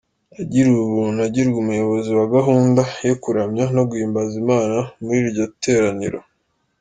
Yagiriwe ubuntu agirwa umuyobozi wa gahunda yo kuramya no guhimbaza Imana muri iryo teraniro.